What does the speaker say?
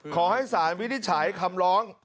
ขอให้สารวินิจฉัยคำร้อง